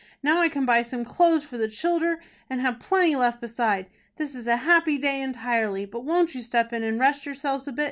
Now I can buy some clothes for the childer, and have plenty left beside. This is a happy day entirely. But won't you step in, and rest yourselves a bit?